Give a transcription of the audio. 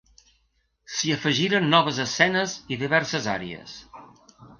S'hi afegiren noves escenes i diverses àries.